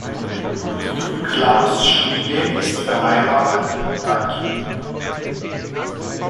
Klaus Schlie ist verheiratet und hat drei Kinder.